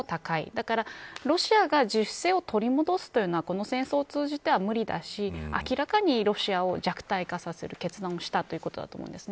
だから、ロシアが自主性を取り戻すというのはこの戦争を通じては無理だし明らかにロシアを弱体化させる決断をしたということだと思うんです。